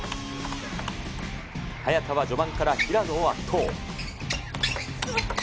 早田は序盤から平野を圧倒。